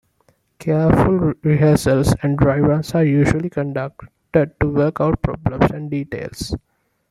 Careful rehearsals and "dry runs" are usually conducted to work out problems and details.